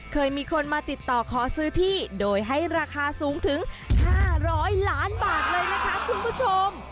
เคยมีคนมาติดต่อขอซื้อที่โดยให้ราคาสูงถึง๕๐๐ล้านบาทเลยนะคะคุณผู้ชม